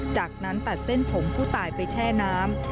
จากนั้นตัดเส้นผมผู้ตายไปแช่น้ำ